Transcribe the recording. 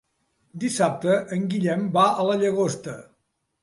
Dissabte en Guillem va a la Llagosta.